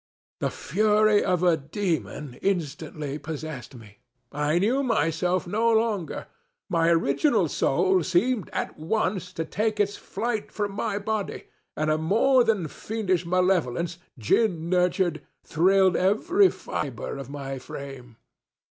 The fury of a demon instantly possessed me. I knew myself no longer. My original soul seemed, at once, to take its flight from my body and a more than fiendish malevolence, gin nurtured, thrilled every fibre of my frame.